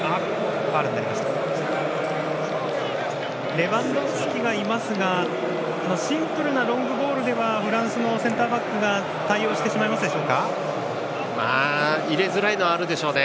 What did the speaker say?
レバンドフスキがいますがシンプルなロングボールではフランスのセンターバックが対応してしまいますでしょうか？